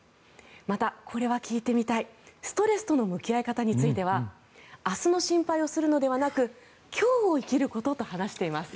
また、これは聞いてみたいストレスとの向き合い方については明日の心配をするのではなく今日を生きることと話してます。